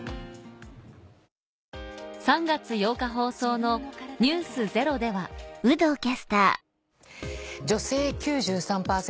３月８日放送の『ｎｅｗｓｚｅｒｏ』では女性９３％。